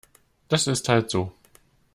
Das ist halt so.